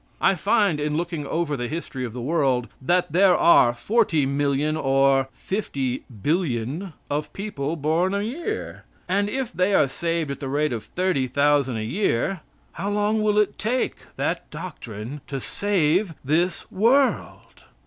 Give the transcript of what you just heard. I find, in looking over the history of the world, that there are 40,000,000 or 50,000,000,000 of people born a year, and if they are saved at the rate of 30,000 a year, about how long will it take that doctrine to save this world?